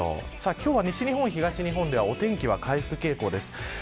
今日は東日本ではお天気回復傾向です。